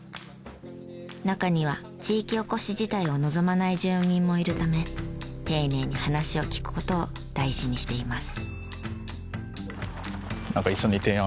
中には地域おこし自体を望まない住民もいるため丁寧に話を聞く事を大事にしています。